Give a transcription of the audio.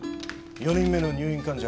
四人目の入院患者